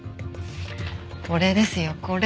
これですよこれ。